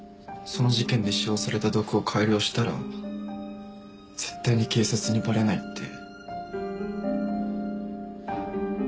その事件で使用された毒を改良したら絶対に警察にバレないって。